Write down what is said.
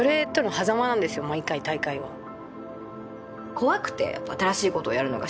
怖くてやっぱ新しいことやるのが。